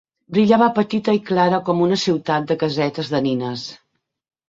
Brillava petita i clara com una ciutat de casetes de nines.